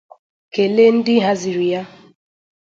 kelee ndị haziri ya